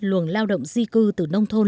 luồng lao động di cư từ nông thôn